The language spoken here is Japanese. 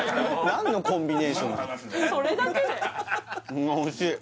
何のコンビネーションそれだけで？